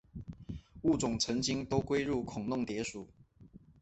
物种曾经都归入孔弄蝶属。